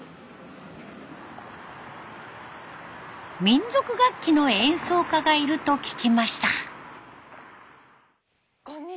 民族楽器の演奏家がいると聞きました。